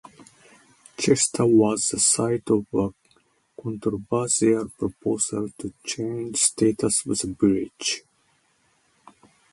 Chester was the site of a controversial proposal to change status of the village.